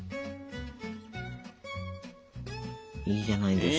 いいじゃないですか。